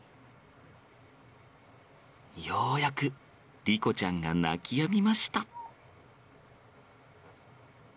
ようやく莉子ちゃんが泣きやみました。